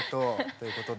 ということで。